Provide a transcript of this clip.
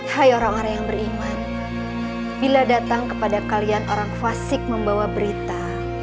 hai orang orang yang beriman bila datang kepada kalian orang fasik membawa berita